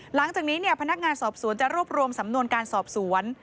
หลังจากนี้พนักงานสอบสวนจะรวบรวมสำนวนการสอบสวน